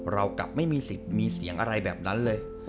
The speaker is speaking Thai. เรากลับไม่มีสิทธิ์มีเสียงอะไรแบบนั้นเลย